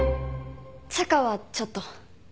「チャカ」はちょっと。